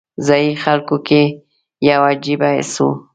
ځایي خلکو کې یو عجیبه حس و.